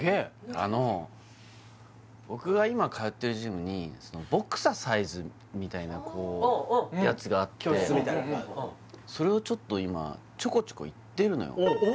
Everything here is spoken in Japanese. あの僕が今通ってるジムにボクササイズみたいなこうやつがあってそれをちょっと今ちょこちょこ行ってるのよおお！